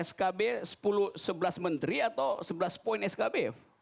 skb sebelas menteri atau sebelas poin skb